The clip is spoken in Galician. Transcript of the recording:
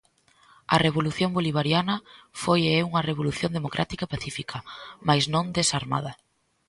A Revolución Bolivariana foi e é unha revolución democrática e pacífica, mais non desarmada.